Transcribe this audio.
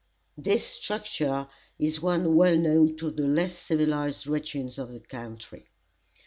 This structure is one well known to the less civilized regions of the country.